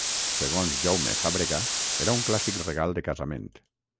Segons Jaume Fàbrega, era un clàssic regal de casament.